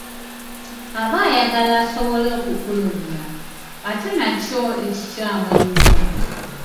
Aba ayagala asobole okukulumya ate nakyo ekikyamu ennyo